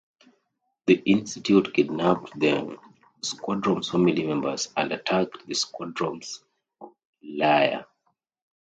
The Institute kidnapped the Squadron's family members and attacked the Squadron's lair.